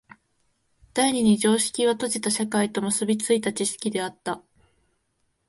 第二に常識は閉じた社会と結び付いた知識であった。